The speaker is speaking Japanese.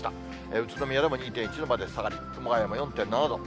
宇都宮でも２．１度まで下がり、熊谷も４．７度。